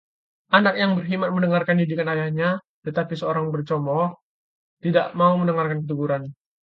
Anak yang berhikmat mendengarkan didikan ayahnya, tetapi seorang pencemooh tidak mau mendengarkan teguran.